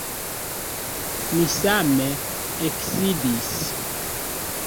Mi same eksidis.